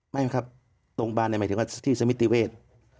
ไม่ครับโรงพยาบาลหมายถึงว่าที่สมิติเวศ